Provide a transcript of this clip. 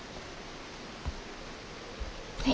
はい。